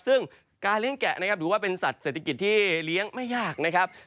ซึ่งการเลี้ยงแกะนะครับถือว่าเป็นสัตว์เศรษฐกิจที่เลี้ยงไม่ยากนะครับ